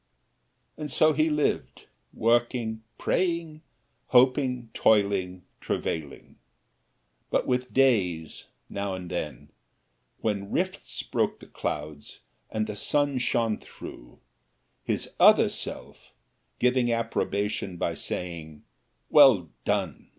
And so he lived, working, praying, hoping, toiling, travailing but with days, now and then, when rifts broke the clouds and the sun shone through, his Other Self giving approbation by saying, "Well done!